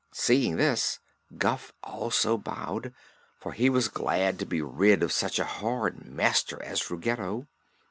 Seeing this, Guph also bowed, for he was glad to be rid of such a hard master as Ruggedo.